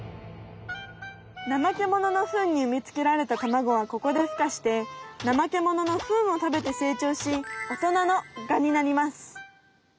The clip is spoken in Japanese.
ナマケモノのフンにうみつけられたタマゴはここでふかしてナマケモノのフンをたべて成長し大人のガになります。